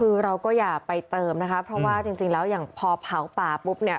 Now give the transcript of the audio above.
คือเราก็อย่าไปเติมนะคะเพราะว่าจริงแล้วอย่างพอเผาป่าปุ๊บเนี่ย